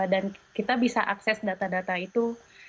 dan kita bisa akses data data itu